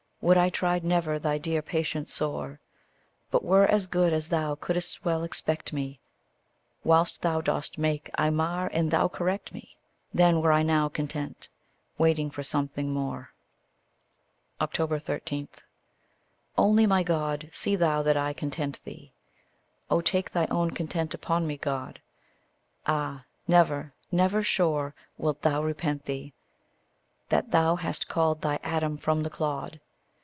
Would I tried never thy dear patience sore, But were as good as thou couldst well expect me, Whilst thou dost make, I mar, and thou correct me! Then were I now content, waiting for something more. 13. Only, my God, see thou that I content thee Oh, take thy own content upon me, God! Ah, never, never, sure, wilt thou repent thee, That thou hast called thy Adam from the clod!